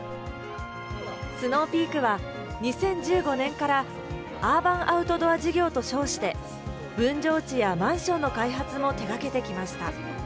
スノーピークは２０１５年からアーバンアウトドア事業と称して、分譲地やマンションの開発も手がけてきました。